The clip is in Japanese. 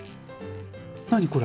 何これ？